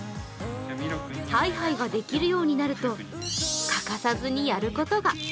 はいはいができるようになると欠かさずにやることが。